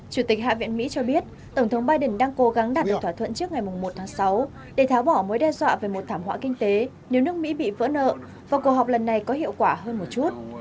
chủ tịch hạ viện mỹ cho biết tổng thống biden đang cố gắng đạt được thỏa thuận trước ngày một tháng sáu để tháo bỏ mối đe dọa về một thảm họa kinh tế nếu nước mỹ bị vỡ nợ và cuộc họp lần này có hiệu quả hơn một chút